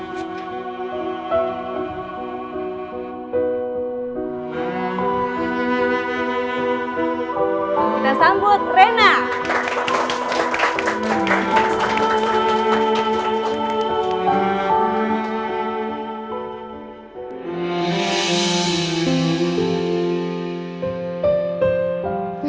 kita sambut rena